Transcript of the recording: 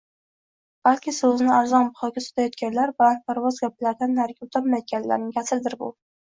Balki so`zni arzon bahoga sotayotganlar, balandparvoz gaplardan nariga o`tolmayotganlarning kasridir bu